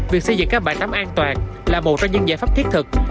việc xây dựng các bãi tắm an toàn là một trong những giải pháp thiết thực